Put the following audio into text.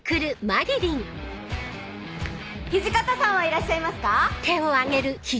土方さんはいらっしゃいますか？